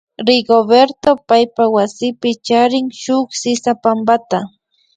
Rigoberto paypa wasipi charin shuk sisapampata